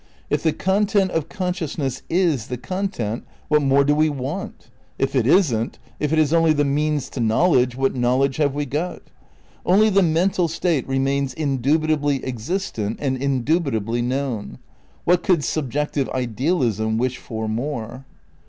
If the content of consciousness is the content what more do we want? If it isn't, if it is only the means to knowledge, what knowledge have we got 1 Only the mental state remains indubitably existent and indubitably known. What oould subjective idealism wish for more?